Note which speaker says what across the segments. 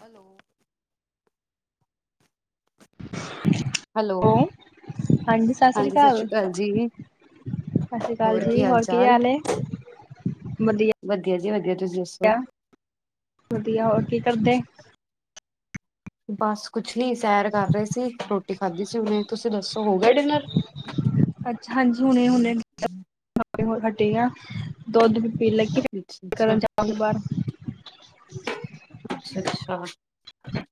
Speaker 1: Hello.
Speaker 2: [inaudible]
Speaker 1: Hello.
Speaker 2: ਹਾਂਜੀ ਸਤਿ ਸ੍ਰੀ ਅਕਾਲ। ਸਤਿ ਸ਼੍ਰੀ ਅਕਾਲ ਜੀ, ਹੋਰ ਕੀ ਹਾਲ ਏ? ਵਧੀਆ।
Speaker 1: ਜੀ ਵਧੀਆ ਤੁਸੀਂ ਦੱਸੋ
Speaker 2: ਵਧੀਆ, ਹੋਰ ਕੀ ਕਰਦੇ?
Speaker 1: ਬਾਸ ਕੁਛ ਨੀ, ਸੈਰ ਕਰ ਰਹੇ ਸੀ। ਰੋਟੀ ਖਾਧੀ ਸੀ ਹੁਣੇ। ਤੁਸੀਂ ਦੱਸੋ ਹੋ ਗਿਆ ਡਿਨਰ?
Speaker 2: ਅੱਛਾ, ਹਾਂਜੀ ਹੁਣੇ-ਹੁਣੇ [unintelligible] ਹਟੇ ਆ, ਦੁੱਧ ਪੀਣ ਲਗੀ [unintelligible]
Speaker 1: ਅੱਛਾ
Speaker 2: ਕਰਨ ਜਾਵਾਂਗੇ ਬਾਹਰ
Speaker 1: ਹਾਂ,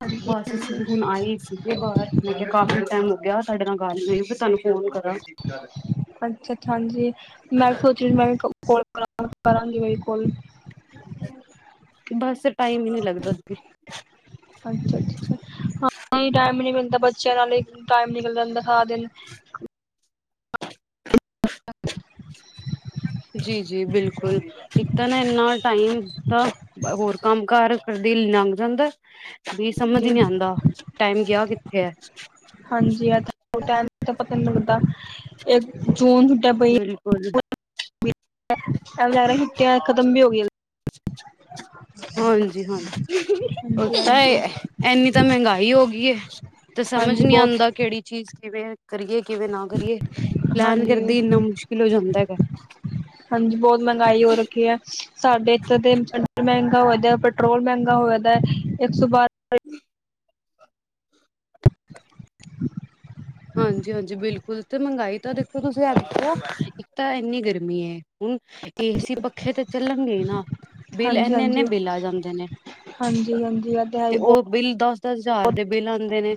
Speaker 2: ਹਾਂਜੀ
Speaker 1: ਬਸ ਅਸੀਂ
Speaker 2: ਹਾਂਜੀ
Speaker 1: ਵੀ ਹੁਣ ਆਏ ਹੀ ਸੀਗੇ ਬਾਹਰ, ਮੈ ਕਿਹਾ ਕਾਫੀ ਟਾਈਮ ਹੋ ਲੱਗਿਆ ਤੁਹਾਡੇ ਨਾਲ ਗੱਲ ਨਹੀਂ ਹੋਈ, ਮੈਂ ਤੁਹਾਨੂੰ ਫੋਨ ਕਰਾਂ
Speaker 2: ਅੱਛਾ-ਅੱਛਾ ਹਾਂਜੀ, ਮੈਂ ਸੋਚ ਰੀ ਮੈਂ ਕਿਹਾ ਕੋਲ ਕਰਾਂ, ਕਰਾਂਗੀ ਬਿਲਕੁਲ।
Speaker 1: ਬਸ ਟਾਈਮ ਹੀ ਨਹੀਂ ਲੱਗਦਾ ਦੀਦੀ।
Speaker 2: ਅੱਛਾ-ਅੱਛਾ, ਹਾਂ ਟਾਈਮ ਹੀ ਨਹੀ ਮਿਲਦਾ ਬੱਚਿਆਂ ਨਾਲੇ ਟਾਈਮ ਨਿਕਲ ਜਾਂਦਾ ਸਾਰਾ ਦਿਨ ਅ-ਅ।
Speaker 1: ਜੀ-ਜੀ ਬਿਲਕੁਲ, ਇੱਕ ਤਾਂ ਨਾ ਇੰਨਾ ਟਾਈਮ ਤਾਂ ਹੋਰ ਕੰਮ ਕਾਰ ਕਰ ਦਿਲ ਲੰਘ ਜਾਂਦਾ ਏ, ਬੀ ਸਮਝ
Speaker 2: ਜੀ
Speaker 1: ਨਹੀਂ ਆਉਂਦਾ, ਟਾਈਮ ਗਿਆ ਕਿੱਥੇ ਐ?
Speaker 2: ਹੋਰ ਟਾਈਮ ਦਾ ਪਤਾ ਨੀ ਲੱਗਦਾ, ਇੱਕ ਚੋਣ ਛੁੱਟਿਆ ਪਈ
Speaker 1: ਬਿਲਕੁਲ
Speaker 2: [unintelligible] ਜਾ ਛੁੱਟਿਆ ਖਤਮ ਵੀ ਹੋ ਗਈਆਂ।
Speaker 1: [inaudible] ਹਾਂਜੀ-ਹਾਂਜੀ, ਉਹ
Speaker 2: ਹਾਂਜੀ
Speaker 1: ਤਾਂ
Speaker 2: ਹਾਂਜੀ
Speaker 1: ਐਨੀ ਤਾਂ ਮਹਿੰਗਾਈ ਹੋ ਗਈ ਏ। ਤੇ ਸਮਝ
Speaker 2: ਹਾਂਜੀ
Speaker 1: ਨੀ
Speaker 2: ਬਹੁਤ
Speaker 1: ਆਉਂਦਾ ਕਿਹੜੀ ਚੀਜ਼ ਕਿਵੇਂ ਕਰੀਏ ਕਿਵੇਂ ਨਾ ਕਰੀਏ ਪਲੈਨ
Speaker 2: ਹਾਂਜੀ
Speaker 1: ਕਰ
Speaker 2: ਹਾਂਜੀ, ਬਹੁਤ ਮਹਿੰਗਾਈ ਹੋ ਰੱਖੀ ਹੈ। ਸਾਡੇ ਇੱਥੇ ਤੇ ਡੀਜਲ ਮਹਿੰਗਾ ਹੋਇਦਾ, ਪੈਟਰੋਲ ਮਹਿੰਗਾ ਹੋਇਦਾ ਦਾ ਇੱਕ ਸੌ ਬਾਰ
Speaker 1: ਹੂੰ! ਹਾਂਜੀ-ਹਾਂਜੀ, ਬਿਲਕੁਲ, ਤੇ ਮਹਿੰਗਾਈ ਤਾਂ ਦੇਖੋ ਤੁਸੀਂ ਆਪ ਹੋ, ਇੱਕ ਤਾਂ ਇੰਨੀ ਗਰਮੀ ਹੈ। ਹੁਣ ਏਸੀ, ਪੱਖੇ ਤੇ ਚੱਲਣਗੇ ਨਾ ਬਿੱਲ ਇੰਨੇ-ਇੰਨੇ ਬਿੱਲ ਆ ਜਾਂਦੇ ਨੇ।
Speaker 2: ਹਾਂਜੀ-ਹਾਂਜੀ, ਆ ਧਹਾਈ ਬੋ
Speaker 1: ਦਸ ਹਜ਼ਾਰ ਦੇ ਬਿੱਲ ਆਉਂਦੇ ਨੇ,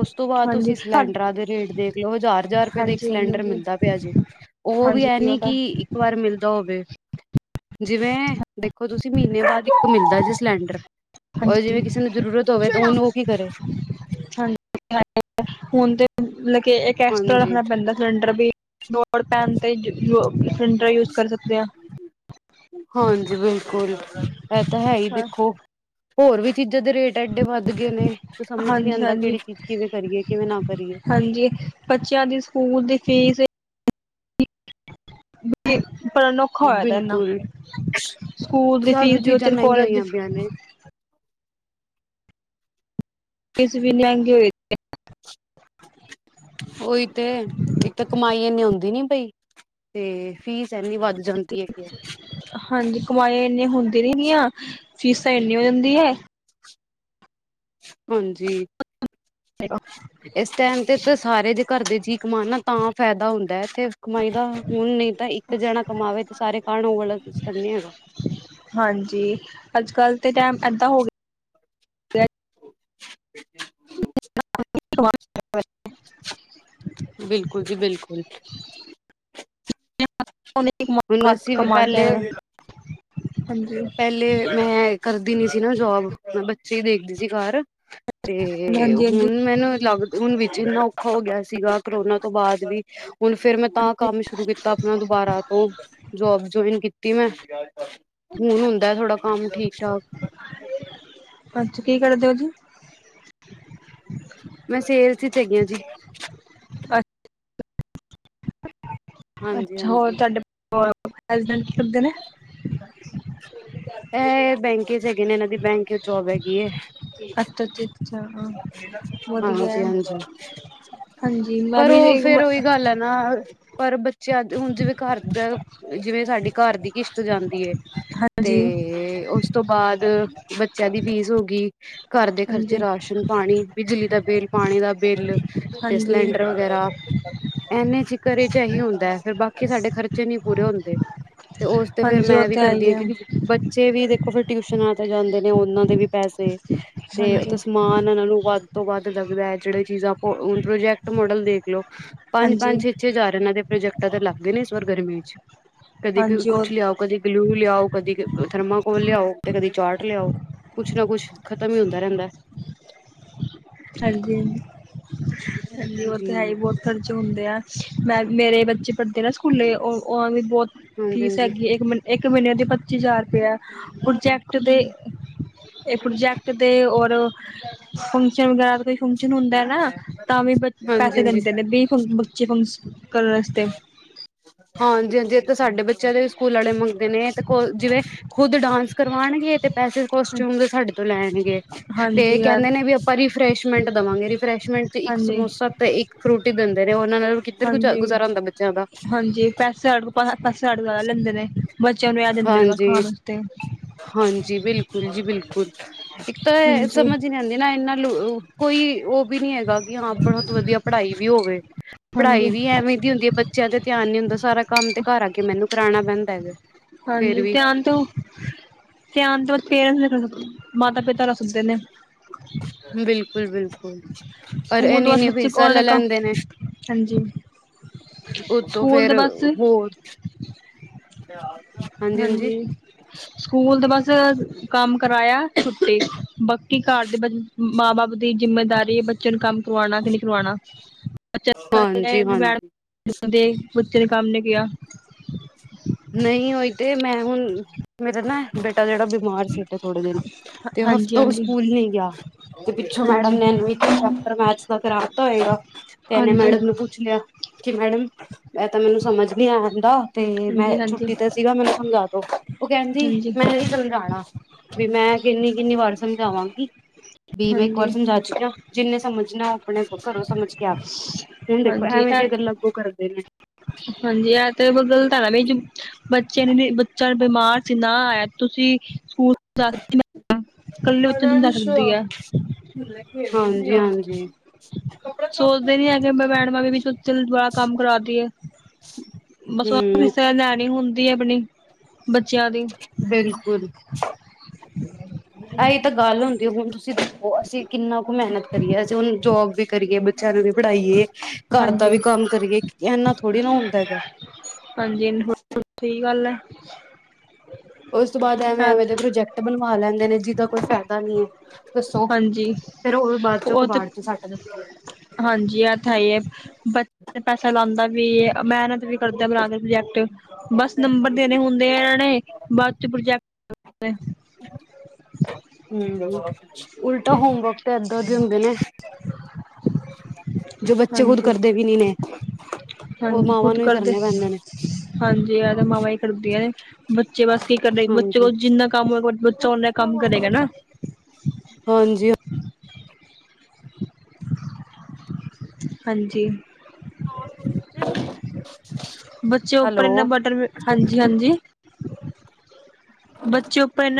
Speaker 1: ਉਸ ਤੋਂ ਬਾਅਦ ਤੁਸੀਂ
Speaker 2: ਹਾਂਜੀ
Speaker 1: ਸਿਲਡ
Speaker 2: ਹਾਂਜੀ
Speaker 1: ਟਰਾ ਦੇ ਰੇਟ ਦੇਖ ਲਓ, ਹਜ਼ਾਰ-ਹਜ਼ਾਰ ਰੁਪਏ ਦਾ ਇੱਕ
Speaker 2: ਹਾਂਜੀ
Speaker 1: ਸਿਲੰਡਰ ਮਿਲਦਾ ਪਿਆ ਜੇ, ਉਹ ਵੀ ਏਹ
Speaker 2: ਹਾਂਜੀ ਉਹ
Speaker 1: ਨੀ
Speaker 2: ਤਾਂ
Speaker 1: ਕਿ ਇੱਕ ਵਾਰ ਮਿਲਦਾ ਹੋਵੇ, ਜਿਵੇਂ ਦੇਖੋ ਤੁਸੀਂ ਮਹੀਨੇ ਬਾਅਦ ਇੱਕ ਮਿਲਦਾ ਜੇ ਸਿਲੰਡਰ। ਓਹੀ
Speaker 2: ਹਾਂਜੀ
Speaker 1: ਜਿਵੇਂ ਕਿਸੇ ਨੂੰ ਜ਼ਰੂਰਤ ਹੋਵੇ ਤਾਂ ਉਹਨੂੰ ਉਹ ਕੀ ਕਰੇ?
Speaker 2: ਲਕੇ ਇੱਕ ਐਕਸਟ੍ਰਰਾ
Speaker 1: ਹਾਂਜੀ
Speaker 2: ਰੱਖਣਾ ਪੈਂਦਾ ਸਿਲੰਡਰ ਵੀ, ਲੋੜ ਪੈਣ ਤੇ ਪ੍ਰਿੰਟਰ ਯੂਜ਼ ਕਰ ਸਕਦੇ ਹਾਂ।
Speaker 1: ਹਾਂਜੀ ਬਿਲਕੁਲ, ਇਹ ਤਾਂ ਹੈ ਹੀ
Speaker 2: ਹਾਂ
Speaker 1: ਦੇਖੋ ਹੋਰ ਵੀ ਚੀਜ਼ਾਂ ਦੇ ਰੇਟ ਐਡੇ ਵੱਧ ਗਏ ਨੇ, ਤੇ ਸਮਝ ਨਹੀਂ
Speaker 2: ਹਾਂਜੀ
Speaker 1: ਆਉਂਦਾ
Speaker 2: ਹਾਂਜੀ
Speaker 1: ਕਿਹੜੀ ਚੀਜ਼ ਕਿਵੇਂ ਕਰੀਏ, ਕਿਵੇਂ ਨਾ ਕਰੀਏ?
Speaker 2: ਹਾਂਜੀ ਬੱਚਿਆਂ ਦੀ ਸਕੂਲ ਦੀ ਫੀਸ [unintelligible] ਪਰ ਅਨੋਖਾ ਹੋਇਆ ਦਾ ਇੰਨਾ।
Speaker 1: ਬਿਲਕੁਲ
Speaker 2: ਸਕੂਲ ਦੀ
Speaker 1: ਸਭ
Speaker 2: ਫੀਸ ਵੀ
Speaker 1: ਚੀਜ਼ਾਂ
Speaker 2: [unintelligible]
Speaker 1: ਮਹਿੰਗੀਆਂ
Speaker 2: ਕਾਲਜ ਦੀ
Speaker 1: ਹੋਈਆਂ ਪਈਆਂ ਨੇ
Speaker 2: ਇਸ ਵਿਨੇ ਆਏਗੇ [unintelligible]
Speaker 1: ਉਹੀ ਤੇ, ਇੱਕ ਤਾਂ ਕਮਾਈ ਇੰਨੀ ਆਉਂਦੀ ਨੀ ਪਈ ਤੇ ਫੀਸ ਇਨੀ ਵੱਧ ਜਾਂਦੀ ਹੈ ਕਿ
Speaker 2: ਹਾਂਜੀ ਕਮਾਈ ਇੰਨਿਆਂ ਹੁੰਦੀਆਂ ਨੀ ਗਿਆਂ, ਫੀਸਾਂ ਇਨਿਆਂ ਹੋ ਜਾਂਦੀ ਹੈ।
Speaker 1: ਹਾਂਜੀ। ਇਸ ਟਾਈਮ ਤੇ ਤਾਂ ਸਾਰੇ ਜੇ ਘਰ ਦੇ ਜੀਅ ਕਮਾਣ ਨਾ ਤਾਂ ਫ਼ਾਇਦਾ ਹੁੰਦਾ ਹੈ। ਇਸ ਕਮਾਈ ਦਾ ਹੁਣ ਨਹੀਂ ਤਾਂ ਇੱਕ ਜਾਣਾ ਕਮਾਵੇ ਤੇ ਸਾਰੇ ਖਾਣ ਉਹ ਵਾਲਾ ਸਿਸਟਮ ਨੀ ਹੈਗਾ।
Speaker 2: ਹਾਂਜੀ, ਅੱਜ-ਕੱਲ੍ਹ ਤੇ ਟਾਈਮ ਏਦਾਂ ਹੋ ਗਿਆ [unintelligible]
Speaker 1: ਬਿਲਕੁਲ ਜੀ ਬਿਲਕੁਲ! ਹੁਣ
Speaker 2: ਹੱਥ
Speaker 1: ਅਸੀਂ ਵੀ
Speaker 2: ਕਮਾਉਣ
Speaker 1: ਪਹਿਲੇ
Speaker 2: ਚਾਹੀਦਾ ਹਾਂਜੀ
Speaker 1: ਪਹਿਲੇ, ਮੈਂ ਕਰਦੀ ਨੀ ਸੀ ਨਾ ਜੋਬ ਮੈਂ ਬੱਚੇ ਦੇਖਦੀ ਸੀ ਘਰ ਤੇ
Speaker 2: ਹਾਂਜੀ ਹਾਂਜੀ
Speaker 1: ਹੁਣ ਮੈਨੂੰ ਲੱਗ ਹੁਣ ਵਿੱਚ ਇੰਨਾ ਔਖਾ ਹੋ ਗਿਆ ਸੀਗਾ। ਕਰੋਨਾ ਤੋਂ ਬਾਅਦ ਵੀ ਹੁਣ ਫੇਿਰ ਮੈਂ ਤਾਂ ਕੰਮ ਸ਼ੁਰੂ ਕੀਤਾ ਆਪਣਾ ਦੁਬਾਰਾ ਤੋਂ ਜੋਬ ਜੁਇਨ ਕੀਤੀ ਮੈਂ। ਹੁਣ ਹੁੰਦਾ ਥੋੜਾ ਕੰਮ ਠੀਕ-ਠਾਕ।
Speaker 2: ਅੱਛਾ ਕੀ [unintelligible]
Speaker 1: ਮੈਂ ਸੇਲ ਚ, ਚ ਹੈਗੀ ਹਾਜੀ। ਹਾਂਜੀ
Speaker 2: ਅੱਛਾ,
Speaker 1: ਹਾਂਜੀ
Speaker 2: ਹੋਰ ਤੁਹਾਡੇ ਹਸਬੈਂਡ ਕੀ ਕਰਦੇ ਨੇ?
Speaker 1: ਇਹ ਬੈਂਕ ਚ ਹੈਗੇ ਨੇ ਇਹਨਾਂ ਦੀ ਬੈਂਕ ਚ ਜੋਬ ਹੈਗੀ ਹੈ।
Speaker 2: ਅੱਛਾ ਅੱਛਾ ਅੱਛਾ ਵਧੀਆ
Speaker 1: ਹਾਂਜੀ-ਹਾਂਜੀ,
Speaker 2: ਹਾਂਜੀ ਮੈਂ
Speaker 1: ਪਰ
Speaker 2: ਵੀ
Speaker 1: ਉਹ ਫੇਰ ਉਹੀ ਗੱਲ ਹੈ ਨਾ ਪਰ ਬੱਚੇ ਅੱਜ ਹੁਣ ਜਿਵੇਂ ਘਰਦਾ ਜਿਵੇਂ ਸਾਡੀ ਘਰ ਦੀ ਕਿਸ਼ਤ ਜਾਂਦੀ ਹੈ,
Speaker 2: ਹਾਂਜੀ
Speaker 1: ਤੇ ਉਸ ਤੋਂ ਬਾਅਦ ਬੱਚਿਆਂ ਦੀ ਫੀਸ ਹੋ ਗਈ ਘਰ ਦੇ ਖਰਚੇ
Speaker 2: ਹਾਂਜੀ
Speaker 1: ਰਾਸ਼ਨ ਪਾਣੀ ਬਿਜਲੀ ਦਾ ਬਿੱਲ, ਪਾਣੀ ਦਾ ਬਿੱਲ ਤੇ
Speaker 2: ਹਾਂਜੀ
Speaker 1: ਸਿਲੰਡਰ ਵਗੈਰਾ ਇਨੇ ਚ ਘਰੇ ਚ ਇਹੀ ਹੁੰਦਾ ਫਿਰ ਬਾਕੀ ਸਾਡੇ ਖਰਚੇ ਨਹੀਂ ਪੂਰੇ ਹੁੰਦੇ। ਤੇ ਉਸ ਤੇ ਫੇਰ
Speaker 2: ਹਾਂਜੀ ਉਹ
Speaker 1: ਮੈਂ ਵੀ
Speaker 2: ਤੇ ਹੈ
Speaker 1: ਕਰਦੀ
Speaker 2: ਹੀ
Speaker 1: ਹਾਂ
Speaker 2: ਹੈ
Speaker 1: ਕਿਉਂਕਿ ਬੱਚੇ ਵੀ ਦੇਖੋ ਫਿਰ ਟਿਊਸ਼ਨਾਂ ਤੇ ਜਾਂਦੇ ਨੇ, ਉਹਨਾਂ ਦੇ ਵੀ ਪੈਸੇ ਤੇ
Speaker 2: ਹਾਂਜੀ,
Speaker 1: ਉਥੇ ਸਮਾਨ ਉਹਨਾਂ ਨੂੰ ਵੱਧ ਤੋਂ ਵੱਧ ਲੱਗਦਾ ਹੈ, ਜਿਹੜੇ ਚੀਜ਼ਾਂ ਪ੍ਰੋਜੈਕਟ ਮੋਡਲ ਦੇਖ ਲੋ,
Speaker 2: ਹਾਂਜੀ,
Speaker 1: ਪੰਜ-ਪੰਜ, ਛੇ- ਛੇ ਹਜ਼ਾਰ ਇਹਨਾਂ ਦੇ ਪ੍ਰੋਜੈਕਟਾਂ ਤਾਂ ਲੱਗ ਗਏ ਨੇ ਇਸ ਵਾਰ ਗਰਮੀ ਵਿੱਚ ਕਦੇ
Speaker 2: ਹਾਂਜੀ ਉਹ
Speaker 1: ਕੁਛ ਲਿਆਓ ਕਦੇ ਗਲਿਊ ਲਿਆਓ ਕਦੇ ਥਰਮਾ ਉਹ ਲਿਆਓ ਤੇ ਕਦੇ ਚਾਰਟ ਲਿਆਓ ਕੁਛ ਨਾ ਕੁੱਛ ਖਤਮ ਹੀ ਹੁੰਦਾ ਰਹਿੰਦਾ। ਜੀ ਹਾਂਜੀ
Speaker 2: ਹਾਂਜੀ-ਹਾਂਜੀ, ਉਹ ਤਾਂ ਹੈ
Speaker 1: ਹਾਂਜੀ
Speaker 2: ਹੀ ਬਹੁਤ ਖਰਚੇ ਹੁੰਦੇਆ ਮੈਂ ਮੇਰੇ ਬੱਚੇ ਪੜ੍ਹਦੇ ਨਾ ਸਕੂਲੇ ਉਹ ਵੀ ਬਹੁਤ ਫੀਸ
Speaker 1: ਹਾਂਜੀ
Speaker 2: ਹੈਗੀ ਇੱਕ ਮਹੀਨੇ ਇੱਕ ਮਹੀਨੇ ਦੀ ਪੱਚੀ ਹਜ਼ਾਰ ਰਪਏ ਪ੍ਰਜੈਕਟ ਦੇ ਇਹ ਪ੍ਰੋਜੈਕਟ ਦੇ ਰ ਫੰਕਸ਼ਨ ਵਗੈਰਾ ਕੋਈ ਫੰਕ ਫੰਸ਼ਨ ਹੁੰਦਾ ਨਾ ਤਾਂ ਵੀ ਪਸੇ
Speaker 1: ਹਾਂਜੀ
Speaker 2: ਦੈਂਦੇ ਨੇ ਵੀ ਬੱਚੇ ਫੰਕਸ਼ਨ ਕਰਨ ਵਸਤੇ
Speaker 1: ਹਾਂਜੀ-ਹਾਂਜੀ ਤਾਂ ਸਾਡੇ ਬੱਚਿਆਂ ਦੇ ਵੀ ਸਕੂਲ ਆਲੇ ਮੰਗਦੇ ਨੇ ਕੋ ਜਿਵੇਂ ਖੁੱਦ ਡਾਂਸ ਕਰਵਾਣਗੇ ਤੇ ਪੈਸੇ ਕੋਸਟਿਊਮ ਸਾਡੇ ਤੋਂ ਲੈਣਗੇ ਤੇ
Speaker 2: ਹਾਂਜੀ ਯਾਰ
Speaker 1: ਕਹਿੰਦੇ ਨੇ ਵੀ ਆਪਾਂ ਰਫਰੈਸ਼ਮੈਂਟ ਦੇਵਾਂਗੇ ਰਿਫਰੈਸ਼ਮੈਂਟ ਚ ਇੱਕ
Speaker 2: ਹਾਂਜੀ,
Speaker 1: ਸਮੋਸਾ ਤੇ ਇੱਕ ਫਰੂਟੀ ਦਿੰਦੇ ਨੇ ਉਹ
Speaker 2: ਹਾਂਜੀ-ਹਾਂਜੀ, ਪੈਸੇ-ਪੈਸੇ ਅਠ ਲੈਂਦੇ ਨੇ। ਬੱਚਿਆਂ ਨੂੰ ਇਹ ਦਿੰਦੇ ਨੇ ਬਸ ਖਾਣ ਵਾਸਤੇ
Speaker 1: ਹਾਂਜੀ-ਹਾਂਜੀ, ਬਿਲਕੁਲ ਜੀ ਬਿਲਕੁਲ। ਇੱਕ ਤਾਂ
Speaker 2: ਹਾਂਜੀ
Speaker 1: ਸਮਝ ਹੀ ਨੀ ਆਉਂਦੀ ਨਾ ਇੰਨਾ ਕੋਈ ਉਹ ਇਹ ਵੀ ਨੀ ਹੈਗਾ ਕਿ ਹਾਂ ਬਹੁਤ ਵਧੀਆ ਪੜ੍ਹਾਈ ਵੀ ਹੋਵੇ ਪੜ੍ਹਾਈ
Speaker 2: ਹਾਂਜੀ
Speaker 1: ਵੀ ਐਵੇਂ ਦੀ ਹੁੰਦੀ ਹੈ, ਬੱਚਿਆਂ ਤੇ ਧਿਆਨ ਨੀ ਹੁੰਦਾ। ਸਾਰਾ ਕੰਮ ਤੇ ਘਰ ਆ ਕੇ ਮੈਨੂੰ ਕਰਾਉਣਾ ਪੈਂਦਾ ਹੈਗਾ ਫੇਰ
Speaker 2: ਹਾਂਜੀ
Speaker 1: ਵੀ
Speaker 2: ਧਿਆਨ ਤੋਂ ਧਿਆਨ ਤੋਂ ਪੇਰੈਂਟਸ ਨੇ, ਮਾਤਾ ਪਿਤਾ ਰੱਸਦੇ ਨੇ
Speaker 1: ਬਿਲਕੁਲ-ਬਿਲਕੁਲ! ਪਰ
Speaker 2: ਸਕੂਲ ਤੋਂ
Speaker 1: ਇਹਨੀ-
Speaker 2: ਬਸ
Speaker 1: ਇਹਨੀ
Speaker 2: ਬੱਚੇ
Speaker 1: ਵੀਸਾ
Speaker 2: ਕੋਣ
Speaker 1: ਲੈ ਲੈਂਦੇ ਨੇ।
Speaker 2: ਹਾਂਜੀ
Speaker 1: ਉਤੋਂ
Speaker 2: ਸਕੂਲ ਤੇ
Speaker 1: ਫੇਰ
Speaker 2: ਬਸ
Speaker 1: ਹੋਰ
Speaker 2: ਹਾਂਜੀ, ਸਕੂਲ ਤਾਂ ਬਸ ਕੰਮ ਕਰਾਇਆ ਛੁੱਟੀ ਬਾਕੀ ਘਰ ਦੇ ਮਾਂ ਬਾਪ ਦੀ ਜਿੰਮੇਦਾਰੀ ਬੱਚੇ ਨੂੰ ਕੰਮ ਕਰਵਾਉਣਾ ਕਿ ਨਹੀਂ ਕਰਵਾਣਾ
Speaker 1: ਹਾਂਜੀ ਹਾਂਜੀ
Speaker 2: ਪੁੱਚਨ ਕਾਮ ਨੇ ਕਿਹਾ।
Speaker 1: ਨਹੀਂ ਹੋਈ। ਤੇ ਮੈਂ ਹੁਣ ਮੇਰਾ ਨਾ ਬੇਟਾ ਜਿਹੜਾ ਬਿਮਾਰ ਸੀ ਤੇ ਥੋੜੇ ਦਿਨ ਤੇ
Speaker 2: ਹਾਂਜੀ
Speaker 1: ਹਫ਼ਤ
Speaker 2: ਹਾਂਜੀ
Speaker 1: ਸਕੂਲ ਨ ਤੇ ਪਿੱਛੋਂ ਮੈਡਮ
Speaker 2: ਹਾਂਜੀ
Speaker 1: ਨੇ ਇਹਨੂੰ ਇੱਕ ਚੈਪ ਮੈ ਦਾ ਕਰਾ ਦਿੱਤਾ ਹੋਏਗਾ ਤੇ ਇਹਨੇ
Speaker 2: ਹਾਂਜੀ
Speaker 1: ਮੈਡਮ ਨੂੰ ਪੁੱਛ ਲਿਆ। ਕਿ ਮੈਡਮ ਮੈਂ ਤਾਂ ਮੈਨੂੰ ਸਮਝ ਨੀ ਆ ਆਦਾ ਤੇ ਮੈਂ
Speaker 2: ਹਾਂਜੀ ਹਾਂਜੀ
Speaker 1: ਛੁੱਟੀ ਤੇ ਸੀਗਾ ਮੈਨੂੰ ਸਮਝਾ ਦੋ ਉਹ ਕਹਿੰਦੀ,
Speaker 2: ਹਾਂਜੀ
Speaker 1: ਮੈਂ ਨਹੀਂ ਸਮਝਾਣਾ ਵੀ ਮੈਂ ਕਿੰਨੀ-ਕਿੰਨੀ ਵਾਰ ਸਮਝਾਵਾਂਗੀ। ਵੀ ਮੈਂ ਇੱਕ ਵਾਰ
Speaker 2: ਹਾਂਜੀ
Speaker 1: ਸਮਝਾ ਚੁੱਕਿਆ ਜਿੰਨੇ ਸਮਝਣਾ ਆਪਣੇ ਘਰ ਉਹ ਸਮਝ ਕੇ ਆਵੇ, ਹੁਣ, ਦੇਖੋ
Speaker 2: ਹਾਂਜੀ
Speaker 1: ਐਵੇਂ ਜੇ
Speaker 2: ਇਹ
Speaker 1: ਅਗਰ ਲਾਗੂ ਕਰਦੇ ਨੇ।
Speaker 2: ਹਾਂਜੀ, ਆ ਤੇ ਬ ਗਲਤ ਐ ਨਾ ਬ ਬੱਚੇ ਨੇ ਬੱਚਾ ਬਿਮਾਰ ਸੀ ਨਾ ਆਇਆ ਤੁਸੀਂ ਸਕੂਲ ਦ ਕੱਲੇ ਬੱਚੇ ਨੂੰ ਸਮਝਾ ਸਕਦੀ ਆ।
Speaker 1: ਹਾਂਜੀ ਹਾਂਜੀ,
Speaker 2: ਸੋਚਦੇ ਨੀ ਹੈਗੇ ਮੈਂ ਮੈਡਮਾਂ ਵੀ ਆ ਕੰਮ ਕਰਾ ਦੀ ਹੈ। ਬਸ ਉਹ ਕਿਸ
Speaker 1: ਹੂੰ
Speaker 2: ਤਰਾ ਲੈਣੀ ਹੁੰਦੀ ਆਪਣੀ ਬੱਚਿਆਂ ਦੀ
Speaker 1: ਬਿਲਕੁਲ, ਇਹੀ ਤਾਂ ਗੱਲ ਹੁੰਦੀ ਹੁਣ ਤੁਸੀਂ ਦੱਸੋ। ਉਹ ਅਸੀਂ ਕਿੰਨਾ ਕੁ ਮਿਹਨਤ ਕਰੀਏ, ਅਸੀਂ ਹੁਣ ਜੋਬ ਵੀ ਕਰੀਏ ਬੱਚਿਆਂ ਨੂੰ ਵੀ ਪੜ੍ਹਾਈਏ ਘਰ ਦਾ
Speaker 2: ਹਾਂਜੀ
Speaker 1: ਵੀ ਕੰਮ ਕਰੀਏ ਇੰਨਾ ਥੋੜ੍ਹੀ ਨਾ ਹੁੰਦਾ ਹੈਗਾ
Speaker 2: ਹਾਂਜੀ ਸਹੀ ਗੱਲ ਹੈ।
Speaker 1: ਉਸ ਤੋਂ ਬਾਅਦ ਐਵੇਂ-ਐਵੇਂ ਦੇ ਪ੍ਰੋਜੈਕਟ ਬਣਵਾ ਲੈਂਦੇ ਨੇ ਜਿਹਦਾ ਕੋਈ ਫਾਇਦਾ ਨੀ ਹੈ ਦੱਸੋ?
Speaker 2: ਹਾਂਜੀ
Speaker 1: ਫੇਰ ਉਹ ਬਾਅਦ ਚੋਂ ਕਬਾੜ ਚ ਸੱਟ ਦਿੰਦੇ ਆ
Speaker 2: ਹਾਂਜੀ, ਆ ਤਾਂ ਹੈ ਹੀ ਹੈ ਬੱਚੇ ਪੈਸਾ ਲਾਉਂਦਾ ਵੀ ਮਿਹਨਤ ਵੀ ਕਰਦਾ ਬਣਾ ਦੇ ਪ੍ਰੋਜੈਕਟ ਬਸ ਨੰਬਰ ਦੇਣੇ ਹੁੰਦੇ ਆ ਇਹਨਾਂ ਨੇ ਬਾਅਦ ਪ੍ਰੋਜੈਕਟ ਫ
Speaker 1: ਹੂੰ, ਉਲਟਾ ਹੋਮਵਰਕ ਤੇ ਐਦਾ ਦੇ ਹੁੰਦੇ ਨੇ, ਜੋ ਬੱਚੇ ਖੁਦ
Speaker 2: ਹਾਂਜੀ
Speaker 1: ਕਰਦੇ ਵੀ ਨਹੀਂ ਨੇ। ਉਹ
Speaker 2: ਹਾਂਜੀ,
Speaker 1: ਮਾਵਾਂ
Speaker 2: ਖੁਦ
Speaker 1: ਨੂੰ ਹੀ
Speaker 2: ਕਰਦੇ
Speaker 1: ਕਰਨੇ ਪੈਂਦੇ ਨੇ
Speaker 2: ਹਾਂਜੀ ਆ ਤੇ ਮਾਵਾਂ ਹੀ ਕਰਦੀਆਂ। ਬੱਚੇ ਬਸ ਕੀ ਕਰ ਰ ਬੱਚੇ
Speaker 1: ਹਾਂਜੀ
Speaker 2: ਕੋਲ ਜਿੰਨਾ ਕੰਮ ਹੋਗਾ ਬੱਚਾ ਓਨਾ ਕੰਮ ਕਰੇਗਾ ਨਾ।
Speaker 1: ਹਾਂਜੀ।
Speaker 2: ਹਾਂਜੀ।
Speaker 1: [unintelligible]
Speaker 2: ਬੱਚੇ ਉੱਪਰ ਇੰਨਾ
Speaker 1: ਹੈਲੋ
Speaker 2: ਬਟਰ ਹਾਂਜੀ-ਹਾਂਜੀ,